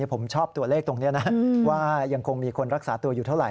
ผมชอบตัวเลขตรงนี้นะว่ายังคงมีคนรักษาตัวอยู่เท่าไห